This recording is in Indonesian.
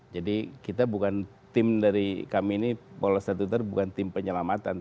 jadi kita bukan tim dari kami ini pola statuter bukan tim penyelamatan